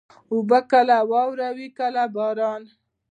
اوبه کله واوره وي، کله باران.